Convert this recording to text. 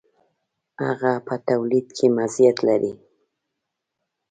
هغه په تولید کې مزیت لري.